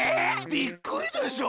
びっくりでしょ？